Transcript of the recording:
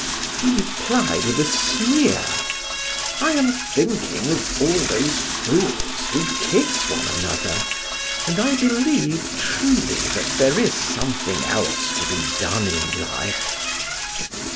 He replied with a sneer: "I am thinking of all those fools who kiss one another, and I believe truly that there is something else to be done in life."